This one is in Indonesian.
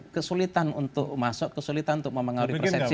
kesulitan untuk masuk kesulitan untuk mempengaruhi persepsi